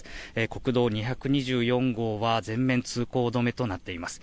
国道２２４号は全面通行止めとなっています。